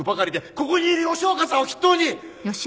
ここにいる吉岡さんを筆頭に！